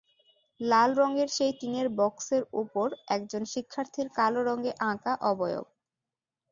লাল রঙের সেই টিনের বক্সের ওপর একজন শিক্ষার্থীর কালো রঙে আঁকা অবয়ব।